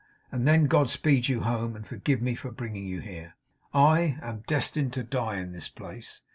And then God speed you home, and forgive me for bringing you here! I am destined to die in this place.